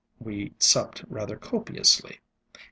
We supped rather copiously.